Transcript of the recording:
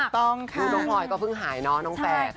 ดูน้องพลอยก็พึ่งหายเนาะน้องแฟน